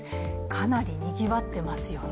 かなりにぎわってますよね。